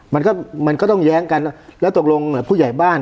มันก็มันก็ต้องแย้งกันแล้วตกลงผู้ใหญ่บ้าน